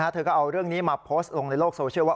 เธอก็เอาเรื่องนี้มาโพสต์ลงในโลกโซเชียลว่า